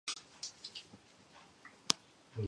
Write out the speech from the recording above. Cutler of Philadelphia, to be broken up for scrap.